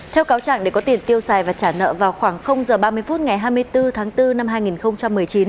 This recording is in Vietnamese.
theo cáo trạng để có tiền tiêu xài và trả nợ vào khoảng h ba mươi phút ngày hai mươi bốn tháng bốn năm hai nghìn một mươi chín